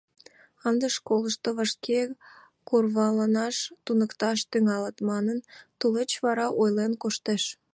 «Ынде школышто вашке курваланаш туныкташ тӱҥалыт» манын, тулеч вара ойлен коштеш.